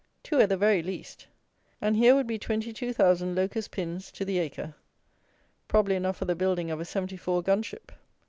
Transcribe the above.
Two at the very least; and here would be twenty two thousand locust pins to the acre, probably enough for the building of a seventy four gun ship.